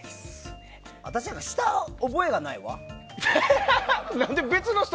私なんか、した覚えがないわ！